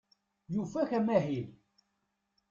Yufa-ak amahil.